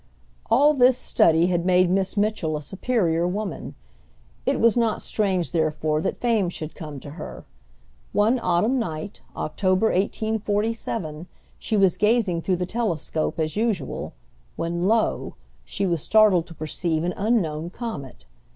All this study had made Miss Mitchell a superior woman. It was not strange, therefore, that fame should come to her. One autumn night, October, 1847, she was gazing through the telescope, as usual, when, lo! she was startled to perceive an unknown comet.